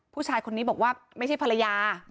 ผู้ชายคนนี้บอกว่าไม่ใช่ภรรยา